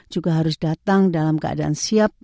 juga harus datang dalam keadaan siap